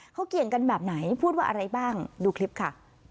เขาเกี่ยงกันแบบไหนพูดว่าอะไรบ้างดูคลิปค่ะ